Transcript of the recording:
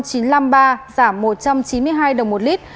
giảm một trăm chín mươi hai đồng một lit